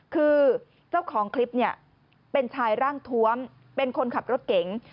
คือเจ้าของคลิปเนี่ยเป็นชายร่างทวมเป็นคนขับรถเก๋ง